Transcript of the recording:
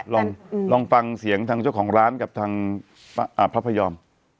ลองฟังเสียงทางเจ้าของร้านกับทางพระพยอม